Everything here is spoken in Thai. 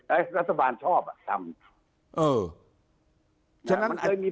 เอาแต่ข้อที่รัฐบาลได้เปรียบไอ้รัฐบาลชอบอ่ะทำเออมันเคยมี